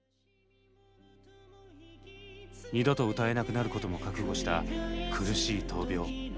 二度と歌えなくなることも覚悟した苦しい闘病。